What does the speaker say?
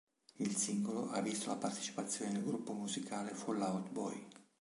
Il singolo ha visto la partecipazione del gruppo musicale Fall Out Boy.